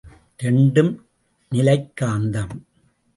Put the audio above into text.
இரண்டும் நிலைக் காந்தம்.